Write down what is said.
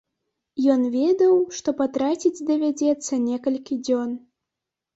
Ён ведаў, што патраціць давядзецца некалькі дзён.